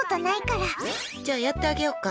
じゃ、やってあげようか。